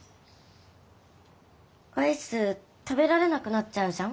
アイス食べられなくなっちゃうじゃん？